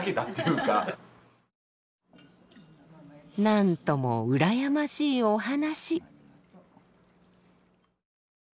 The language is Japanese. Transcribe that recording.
なんとも羨ましいお話。